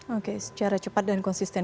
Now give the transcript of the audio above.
oke secara cepat dan konsisten